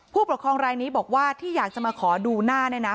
ผู้ปกครองรายนี้บอกว่าที่อยากจะมาขอดูหน้าเนี่ยนะ